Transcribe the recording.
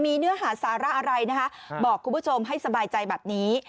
มีเนื้อหาสาระอะไรนะคะบอกคุณผู้ชมให้สบายใจแบบนี้